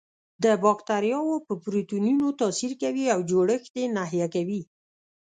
د باکتریاوو په پروتینونو تاثیر کوي او جوړښت یې نهي کوي.